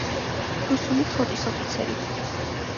რუსული ფლოტის ოფიცერი.